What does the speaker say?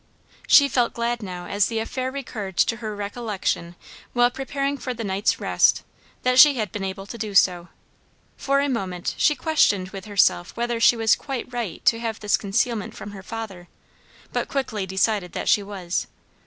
She felt glad now as the affair recurred to her recollection while preparing for the night's rest, that she had been able to do so. For a moment she questioned with herself whether she was quite right to have this concealment from her father, but quickly decided that she was.